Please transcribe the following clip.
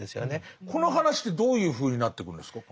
この話ってどういうふうになっていくんですか？